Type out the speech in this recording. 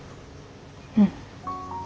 うん。